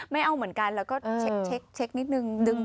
ไม่เอาเหมือนกันแล้วก็เช็คนิดนึง